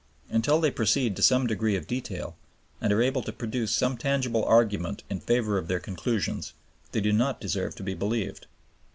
Until they proceed to some degree of detail, and are able to produce some tangible argument in favor of their conclusions, they do not deserve to be believed.